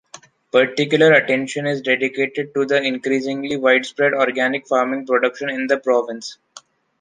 Particular attention is dedicated to the increasingly widespread organic farming production in the province.